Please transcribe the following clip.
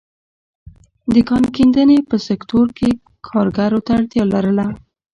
د کان کیندنې په سکتور کې کارګرو ته اړتیا لرله.